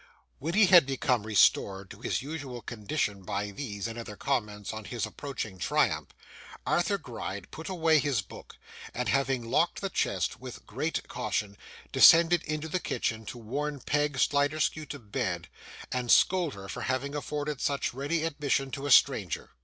When he had become restored to his usual condition by these and other comments on his approaching triumph, Arthur Gride put away his book, and, having locked the chest with great caution, descended into the kitchen to warn Peg Sliderskew to bed, and scold her for having afforded such ready admission to a stranger.